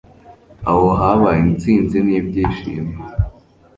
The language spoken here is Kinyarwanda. aho habaye intsinzi n'ibyishimo